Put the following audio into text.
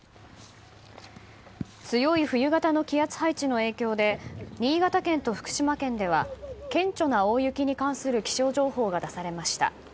強い冬型の気圧配置の影響で新潟県と福島県では顕著な大雪に関する気象情報が出されました。